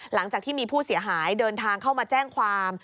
หลังจากที่มีผู้เสียหายเดินทางเข้ามาแจ้งความ